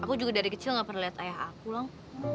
aku juga dari kecil gak pernah lihat ayah aku bang